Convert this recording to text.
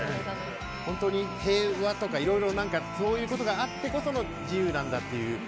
ホントに平和とか色々何かそういうことがあってこその自由なんだっていう。